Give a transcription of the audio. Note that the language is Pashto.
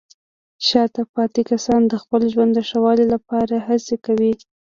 شاته پاتې کسان د خپل ژوند د ښه والي لپاره هڅې کوي.